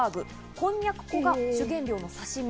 こんにゃく粉が主原料の刺し身。